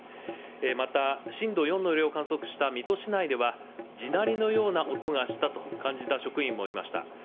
また、震度４の揺れを観測した水戸市内では、地鳴りのような音がしたと感じた職員もいました。